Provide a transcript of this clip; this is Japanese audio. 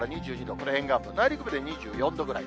これ、沿岸部、内陸部で２４度ぐらい。